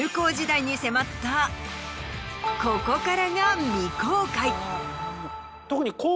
ここからが。